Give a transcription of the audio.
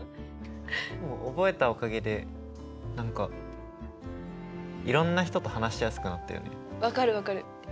覚えたおかげで何かいろんな人と話しやすくなったよね。